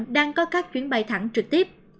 đang có các chuyến bay thẳng trực tiếp